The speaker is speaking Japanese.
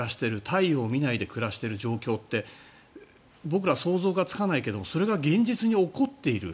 太陽を見ないで暮らしている状況って僕ら、想像がつかないけどそれが現実に起こっている。